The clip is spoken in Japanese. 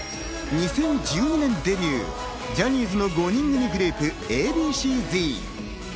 ２０１２年デビュー、ジャニーズの５人組グループ、Ａ．Ｂ．Ｃ−Ｚ。